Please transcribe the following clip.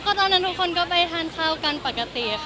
ตอนนั้นทุกคนก็ไปทานข้าวกันปกติค่ะ